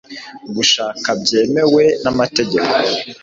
gushaka byemewe n'amategeko